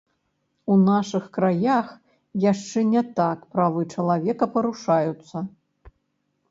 У нашых краях яшчэ не так правы чалавека парушаюцца.